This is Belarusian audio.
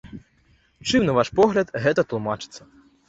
Чым, на ваш погляд, гэта тлумачыцца?